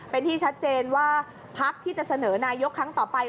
เป็นที่ชัดเจนว่าพักที่จะเสนอนายกครั้งต่อไป